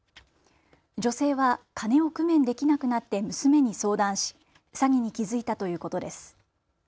女性は金を工面できなくなって娘に相談し詐欺に気付いたということです。